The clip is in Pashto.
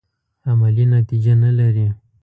عملي نتیجه نه لري.